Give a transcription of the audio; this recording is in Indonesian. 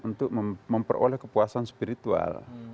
untuk memperoleh kepuasan spiritual